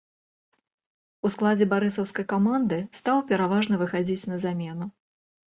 У складзе барысаўскай каманды стаў пераважна выхадзіць на замену.